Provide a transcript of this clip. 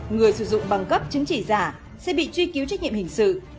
người sử dụng băng cấp chứng chỉ giả sẽ bị truy cứu trách nhiệm hình sự